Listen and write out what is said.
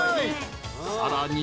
さらに］